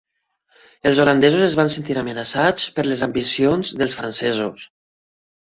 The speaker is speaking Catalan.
Els holandesos es van sentir amenaçats per les ambicions dels francesos.